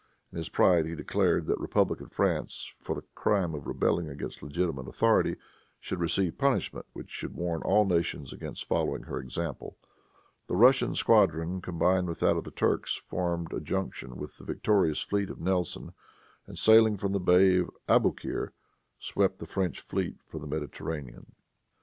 In his pride he declared that republican France, for the crime of rebelling against legitimate authority, should receive punishment which should warn all nations against following her example. The Russian squadron combined with that of the Turks, formed a junction with the victorious fleet of Nelson, and sailing from the bay of Aboukir, swept the French fleet from the Mediterranean.